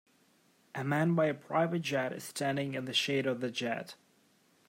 A man by a private jet is standing in the shade of the jet.